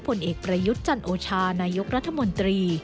ผลเอกประยุทธ์จันโอชานายกรัฐมนตรี